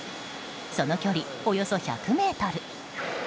その距離およそ１００ｍ。